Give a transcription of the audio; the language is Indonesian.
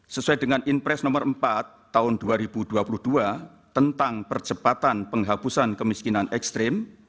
sesuai dengan impres nomor empat tahun dua ribu dua puluh dua tentang percepatan penghapusan kemiskinan ekstrim